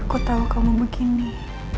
aku tau kamu begini